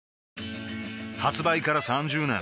発売から３０年